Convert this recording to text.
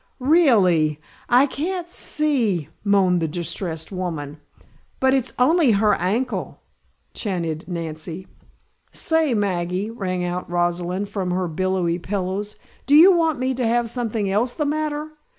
"Really, I can't see " moaned the distressed woman. "But it's only her ankle," chanted Nancy. "Say Maggie," sang out Rosalind, from her billowy pillows, "do you want me to have something else the matter?